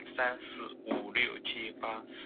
它允许通常不被原厂固件所认可的自定义项。